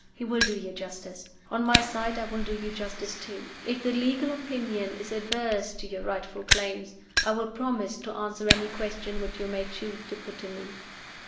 He will do you justice. On my side, I will do you justice, too. If the legal opinion is adverse to your rightful claims, I will promise to answer any questions which you may choose to put to me.